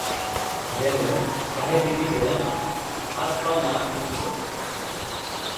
যেমন: সাহেব-বিবি-গোলাম, হাত-পা-নাক-মুখ-চোখ।